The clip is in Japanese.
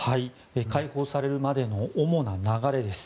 解放されるまでの主な流れです。